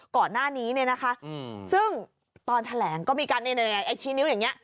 ก่อนหน้านี้เนี่ยนะคะซึ่งตอนแถลงก็มีการชี้นิ้วอย่างนี้